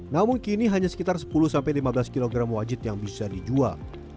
namun kini hanya sekitar sepuluh lima belas kg wajit yang bisa dijual